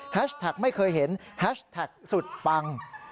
แท็กไม่เคยเห็นแฮชแท็กสุดปัง